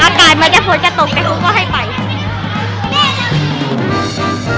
อากาศมันจะฟนกะตกก็ให้ไป